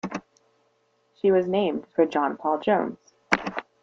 She was named for John Paul Jones.